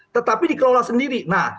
tetapi dikelola sendiri nah